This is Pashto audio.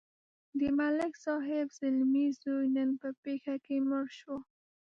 د ملک صاحب زلمی زوی نن په پېښه کې مړ شو.